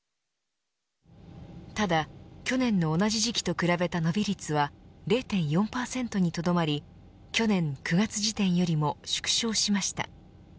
ただ去年の同じ時期と比べた伸び率は０．４％にとどまり去年９月時点よりも縮小しました。